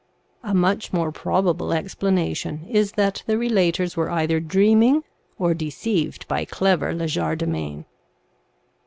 A much more probable explanation is that the relators were either dreaming or deceived by clever legerdemain.